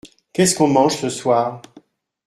Qu’est-ce qu’on mange ce soir ?